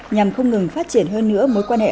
nhằm không ngừng phát triển hơn nữa mối quan hệ